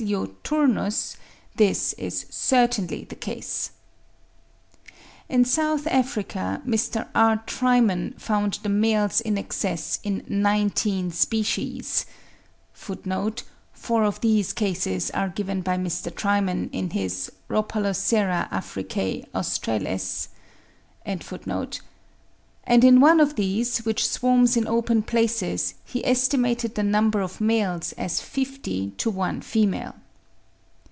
turnus this is certainly the case. In South Africa, Mr. R. Trimen found the males in excess in 19 species (76. Four of these cases are given by Mr. Trimen in his 'Rhopalocera Africae Australis.'); and in one of these, which swarms in open places, he estimated the number of males as fifty to one female.